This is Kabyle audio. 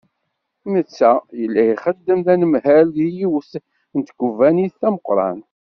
Netta, yalla ixeddem d anemhal deg yiwet n tkebbanit tameqqrant.